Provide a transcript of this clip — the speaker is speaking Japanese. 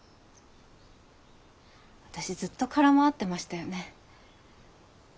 私ずっと空回ってましたよね。